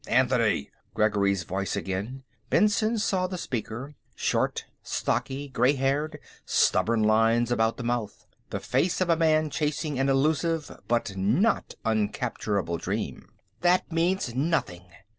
"Anthony!" Gregory's voice again; Benson saw the speaker; short, stocky, gray haired, stubborn lines about the mouth. The face of a man chasing an illusive but not uncapturable dream. "That means nothing."